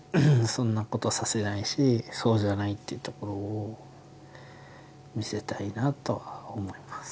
そんなことはさせないしそうじゃないっていうところを見せたいなとは思います